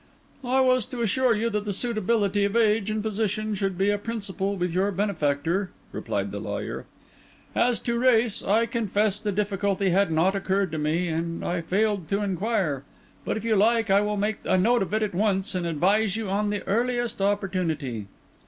"I was to assure you that suitability of age and position should be a principle with your benefactor," replied the lawyer. "As to race, I confess the difficulty had not occurred to me, and I failed to inquire; but if you like I will make a note of it at once, and advise you on the earliest opportunity."